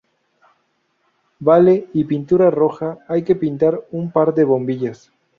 vale. y pintura roja. hay que pintar un par de bombillas.